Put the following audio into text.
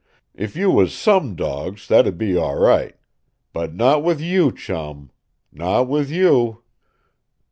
If you was some dogs, that'd be all right. But not with YOU, Chum. Not with you.